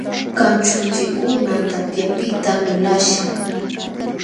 Kanćhanchikkuna tapyapiqta lulaśhqam.